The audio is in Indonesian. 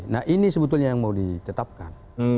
nah ini sebetulnya yang mau ditetapkan